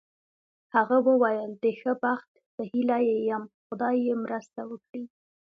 هغه وویل: د ښه بخت په هیله یې یم، خدای یې مرسته وکړي.